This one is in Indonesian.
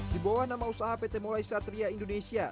di bawah nama usaha pt mulai satria indonesia